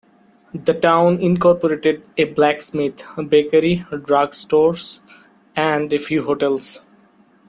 The town incorporated a blacksmith, bakery, drug stores, and a few hotels.